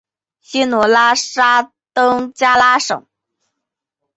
西努沙登加拉省。